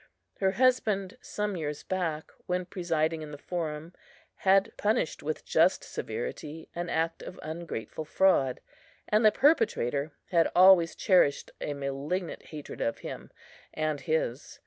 Her husband, some years back, when presiding in the Forum, had punished with just severity an act of ungrateful fraud; and the perpetrator had always cherished a malignant hatred of him and his.